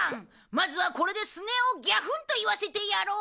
まずはこれでスネ夫をギャフンと言わせてやろう！